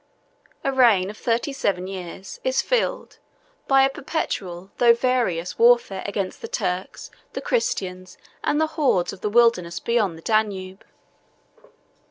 A reign of thirty seven years is filled by a perpetual though various warfare against the Turks, the Christians, and the hordes of the wilderness beyond the Danube.